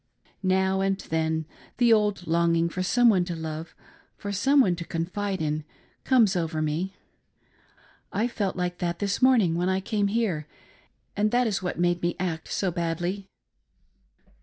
Now and then the old longing for some one to love, for some one to confide in, comes over me. I felt like that this morning when I came here, and that is what made me act so badly."